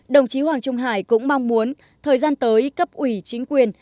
đồng chí hoàng trung hải cũng mong muốn thời gian tới cấp ủy chính quyền